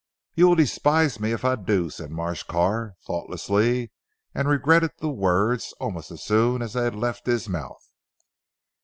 "You will despise me if I do," said Marsh Carr thoughtlessly and regretted the words almost as soon as they had left his mouth.